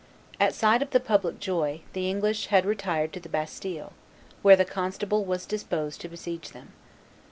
At sight of the public joy, the English had retired to the Bastille, where the constable was disposed to besiege them.